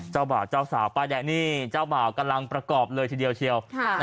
เจ้าบ่าวเจ้าสาวป้ายแดงนี่เจ้าบ่าวกำลังประกอบเลยทีเดียวเชียว